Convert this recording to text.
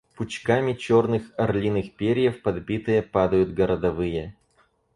Пучками черных орлиных перьев подбитые падают городовые.